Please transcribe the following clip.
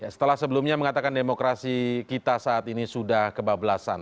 setelah sebelumnya mengatakan demokrasi kita saat ini sudah kebablasan